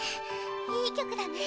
いい曲だね。